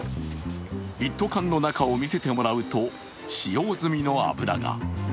一斗缶の中を見せてもらうと使用済みの油が。